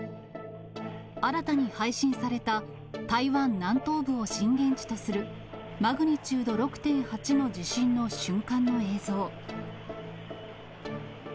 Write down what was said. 新たに配信された台湾南東部を震源地とするマグニチュード６．８の地震の瞬間の映像。